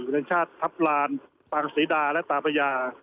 อุณหยังชาติทัพลานตางศรีดาและตาประยา